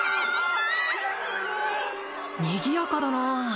にぎやかだなあ